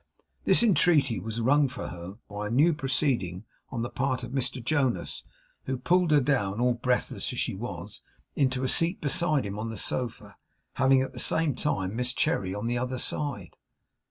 This entreaty was wrung from her by a new proceeding on the part of Mr Jonas, who pulled her down, all breathless as she was, into a seat beside him on the sofa, having at the same time Miss Cherry upon the other side.